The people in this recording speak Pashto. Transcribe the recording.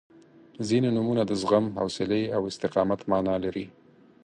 • ځینې نومونه د زغم، حوصلې او استقامت معنا لري.